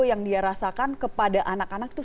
yang dia rasakan kepada anak anak itu